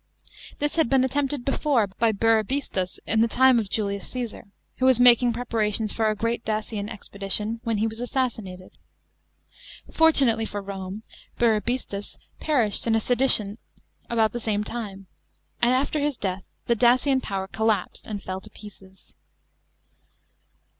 This had been attempted before by Burebistas in the time of Julius Caesar, who was making preparations for a great Dacian expedition when he was assassinated. Fortunately for Rome, Burebistas perished in a sedition about the same time, and after his death the Dacian power collapsed and fell to pieces.